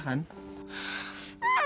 kamu juga salah kan